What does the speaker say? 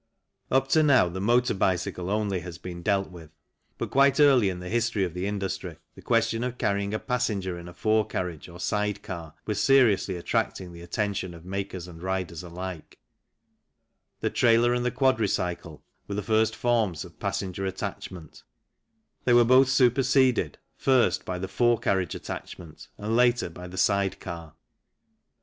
Up to now the motor bicycle only has been dealt with, but quite early in the history of the industry the question of carrying a passenger in a fore carriage or side car was seriously attracting the attention of makers and riders alike. The trailer and the quadricycle were the FIG. 30 THE 4 H.P. TWIN CYLINDER HUMBER The engine is of the horizontally opposed cylinder type first forms of passenger attachment. They were both superseded, first by the fore carriage attachment and later by the side car.